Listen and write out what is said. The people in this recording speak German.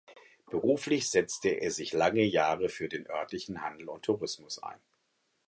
Beruflich setzte er sich lange Jahre für den örtlichen Handel und Tourismus ein.